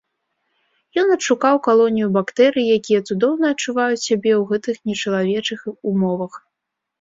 Ён адшукаў калонію бактэрый, якія цудоўна адчуваюць сябе ў гэтых нечалавечых умовах.